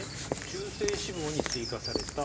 中性脂肪に追加された。